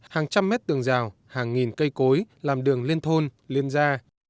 hàng trăm mét tường rào hàng nghìn cây cối làm đường liên thôn liên gia